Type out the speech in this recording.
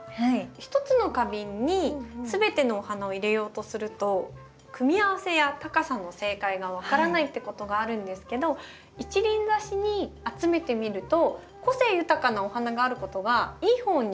一つの花瓶に全てのお花を入れようとすると組み合わせや高さの正解が分からないってことがあるんですけど一輪挿しに集めてみると個性豊かなお花があることがいい方に見えると思うんですね。